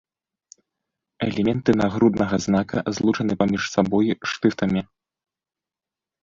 Элементы нагруднага знака злучаны паміж сабой штыфтамі.